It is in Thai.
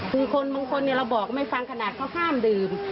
บางคนบางคนเราบอกไม่ฟังขนาดเขาห้ามดื่ม